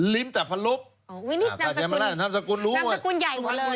ลิมจับพันรุปนามสกุลนามสกุลใหญ่กว่าเลย